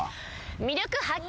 『魅力発見